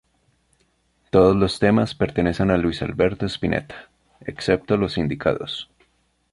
Todos los temas pertenecen a Luis Alberto Spinetta, excepto los indicados.